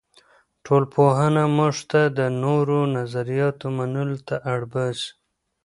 ټولنپوهنه موږ ته د نورو نظریاتو منلو ته اړ باسي.